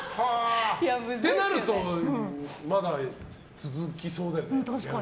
となると、まだ続きそうだよね。